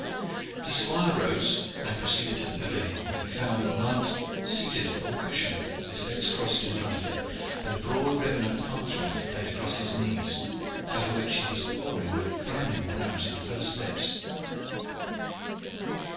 The squire rose and proceeded to the pavilion, where he found the knight seated upon a cushion, with his legs crossed in front of him and a broad ribbon of parchment laid across his knees, over which he was poring with frowning brows and pursed lips.